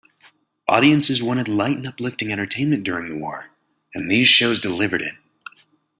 Audiences wanted light and uplifting entertainment during the war, and these shows delivered it.